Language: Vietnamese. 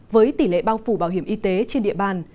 với tỷ lệ bao phủ bảo hiểm y tế trên địa bàn